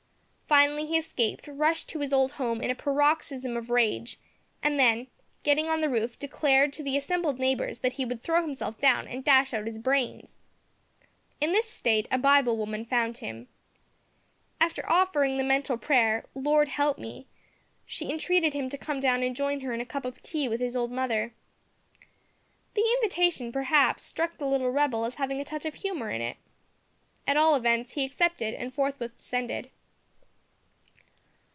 Finally he escaped, rushed to his old home in a paroxysm of rage, and then, getting on the roof, declared to the assembled neighbours that he would throw himself down and dash out his brains. In this state a Bible woman found him. After offering the mental prayer, "Lord, help me," she entreated him to come down and join her in a cup of tea with his old mother. The invitation perhaps struck the little rebel as having a touch of humour in it. At all events he accepted it and forthwith descended.